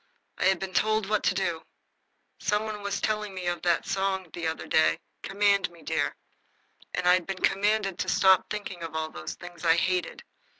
I had been told what to do. Some one was telling me of a song the other day, "Command me, dear." I had been commanded to stop thinking of all those things I hated.